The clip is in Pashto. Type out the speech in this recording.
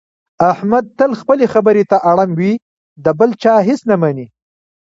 احمد تل خپلې خبرې ته اړم وي، د بل چا هېڅ نه مني.